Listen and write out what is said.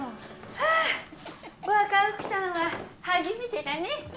ああ若奥さんは初めてだね。